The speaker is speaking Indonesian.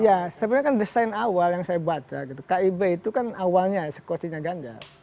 ya sebenarnya kan desain awal yang saya baca gitu kib itu kan awalnya sekuatnya ganjar